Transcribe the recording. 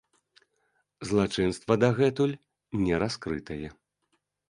Злачынства дагэтуль не раскрытае.